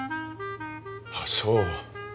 あっそう。